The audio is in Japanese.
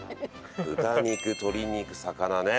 豚肉鶏肉魚ね。